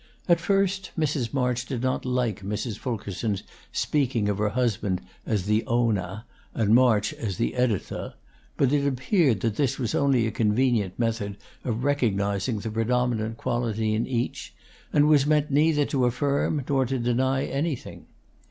At first Mrs. March did not like Mrs. Fulkerson's speaking of her husband as the Ownah, and March as the Edito'; but it appeared that this was only a convenient method of recognizing the predominant quality in each, and was meant neither to affirm nor to deny anything.